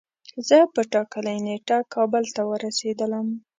زه په ټاکلی نیټه کابل ته ورسیدلم